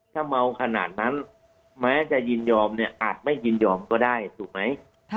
ถ้าเมาขนาดนั้นแม้จะยินยอมเนี่ยอาจไม่ยินยอมก็ได้ถูกไหม